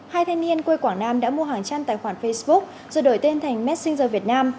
hai thanh niên quê quảng nam đã mua hàng trăm tài khoản facebook rồi đổi tên thành messenger việt nam